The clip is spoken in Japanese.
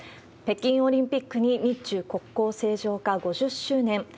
北京オリンピックに日中国交正常化５０周年。